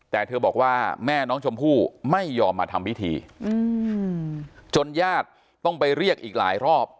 แต่เธอบอกว่าแม่น้องชมพู่ไม่ยอมมาทำพิธีจนญาติต้องไปเรียกอีกหลายรอบ